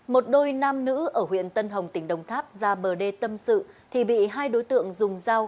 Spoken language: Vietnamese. một đôi nam nữ ở huyện tân hồng tỉnh đồng tháp ra bờ đê tâm sự thì bị hai đối tượng dùng dao